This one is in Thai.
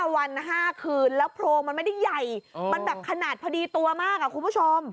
วัน๕คืนแล้วโพรงมันไม่ได้ใหญ่มันแบบขนาดพอดีตัวมากคุณผู้ชม